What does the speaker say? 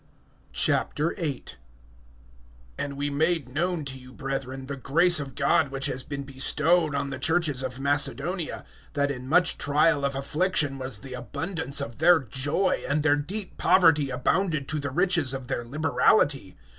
VIII. AND we made known to you, brethren, the grace of God which has been bestowed on the churches of Macedonia; (2)that in much trial of affliction was the abundance of their joy, and their deep poverty abounded to the riches of their liberality.